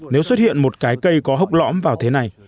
nếu xuất hiện một cái cây có hốc lõm vào thế này